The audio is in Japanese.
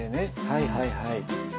はいはいはい。